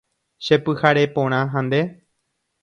Chepyhare porã ha nde.